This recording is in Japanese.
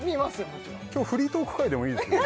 もちろん今日フリートーク回でもいいですよ